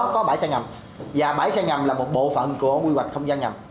có bãi xe ngầm và bảy xe ngầm là một bộ phận của quy hoạch không gian ngầm